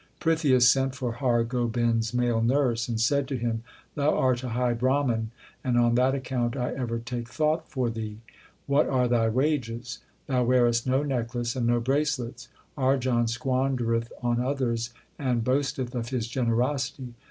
Prithia sent for Har Gobind s male nurse and said to him : Thou art a high Brahman and on that account I ever take thought for thee. What are thy wages ? Thou wearest no necklace and no bracelets. Arjan squandereth on others and boas teth of his generosity.